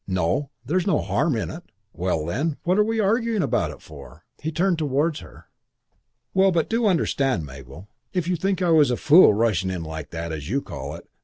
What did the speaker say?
"No, there's no harm in it." "Well, then. What are we arguing about it for?" He turned towards her. "Well, but do understand, Mabel. If you think I was a fool rushing in like that, as you call it.